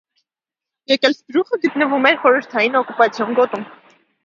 Յեկելսբրուխը գտնվում էր խորհրդային օկուպացիոն գոտում։